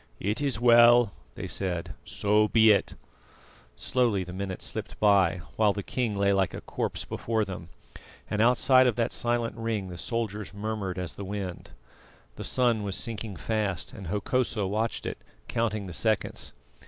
"It is well," they said; "so be it." Slowly the minutes slipped by, while the king lay like a corpse before them, and outside of that silent ring the soldiers murmured as the wind. The sun was sinking fast, and Hokosa watched it, counting the seconds.